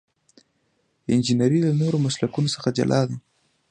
انجنیری له نورو مسلکونو څخه جلا ده.